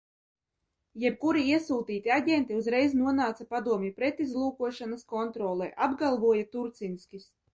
Jebkuri iesūtīti aģenti uzreiz nonāca padomju pretizlūkošanas kontrolē, apgalvoja Turčinskis.